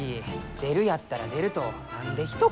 出るやったら出ると何でひと言。